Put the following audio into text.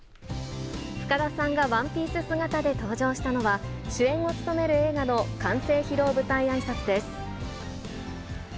深田さんがワンピース姿で登場したのは、主演を務める映画の完成披露舞台あいさつです。